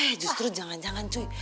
eh justru jangan jangan cuek